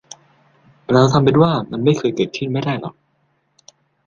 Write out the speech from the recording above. เราทำเป็นว่ามันไม่เคยเกิดขึ้นไม่ได้หรอก